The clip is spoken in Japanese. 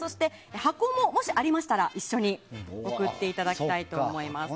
箱も、もしありましたら一緒に送っていただきたいと思います。